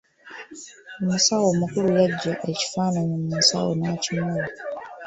Omusawo omukulu yaggya ekifaananyi mu nsawo n'akimuwa.